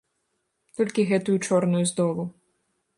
Толькі гэтую чорную з долу.